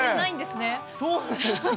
そうなんですね。